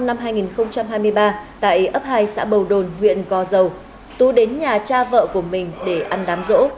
trong ngày hai mươi ba tại ấp hai xã bầu đồn huyện gò dầu tú đến nhà cha vợ của mình để ăn đám rỗ